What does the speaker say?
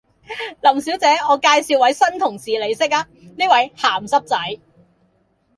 林小姐，我介紹位新同事你識呀，呢位鹹濕仔